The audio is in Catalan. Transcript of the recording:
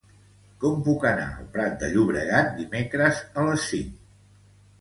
Com puc anar al Prat de Llobregat dimecres a les cinc?